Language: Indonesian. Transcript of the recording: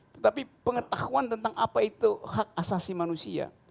tetapi pengetahuan tentang apa itu hak asasi manusia